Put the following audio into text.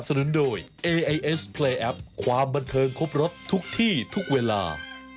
เมื่อกว่า๒๔๐สาขา